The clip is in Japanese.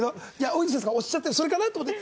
大泉さんがおっしゃってるのはそれかなと思って。